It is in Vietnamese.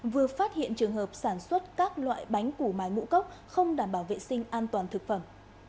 vừa phát hiện trường hợp sản xuất các loại bánh củ mai ngũ cốc không đảm bảo vệ sinh an toàn thực phẩm